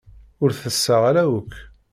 Ur tesseɣ ara akk.